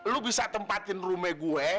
lo bisa tempatin rume gue